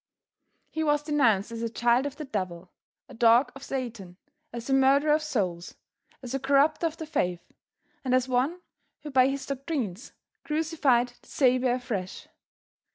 He was denounced as a child of the Devil, a dog of Satan, as a murderer of souls, as a corrupter of the faith, and as one who by his doctrines crucified the Savior afresh.